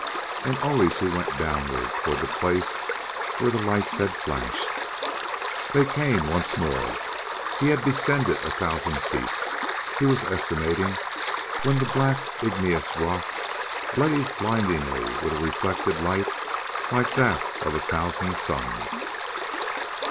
And always he went downward toward the place where the lights had flashed. They came once more. He had descended a thousand feet, he was estimating, when the black igneous rocks blazed blindingly with a reflected light like that of a thousand suns.